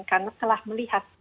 karena telah melihat